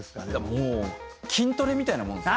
もう筋トレみたいなもんですよね。